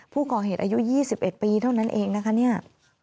ผู้ก่อเหตุอายุ๒๑ปีเท่านั้นเองนะคะเนี่ย